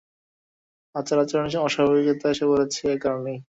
আচার-আচরণে অস্বাভাবিকতা এসে পড়েছে একারণেই।